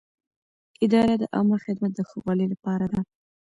اداره د عامه خدمت د ښه والي لپاره ده.